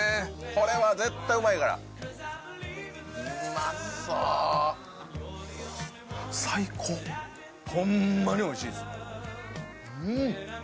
これは絶対うまいからうまそう最高ほんまにおいしいですうん！